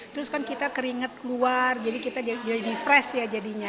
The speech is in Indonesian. terus kan kita keringet keluar jadi kita jadi fresh ya jadinya